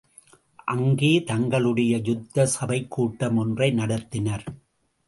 அங்கேதங்களுடைய யுத்த சபைக் கூட்டம் ஒன்றை நடத்தினர்.